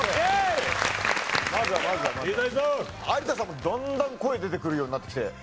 有田さんもだんだん声出てくるようになってきて。